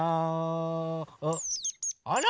あら！